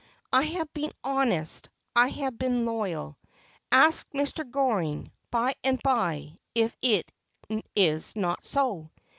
I have been honest, I have been loyal. Ask Mr. Goring, by and by, if it is not so.